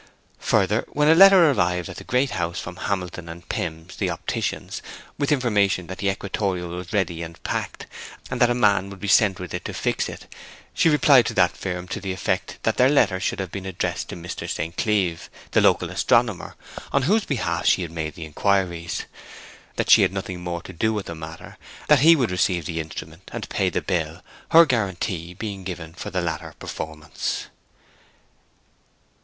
Further, when a letter arrived at the Great House from Hilton and Pimm's, the opticians, with information that the equatorial was ready and packed, and that a man would be sent with it to fix it, she replied to that firm to the effect that their letter should have been addressed to Mr. St. Cleeve, the local astronomer, on whose behalf she had made the inquiries; that she had nothing more to do with the matter; that he would receive the instrument and pay the bill, her guarantee being given for the latter performance.